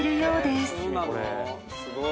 すごい。